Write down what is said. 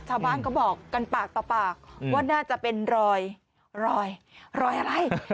ชาวบ้านก็บอกกันปากต่อปากว่าน่าจะเป็นรอยรอยรอยอะไร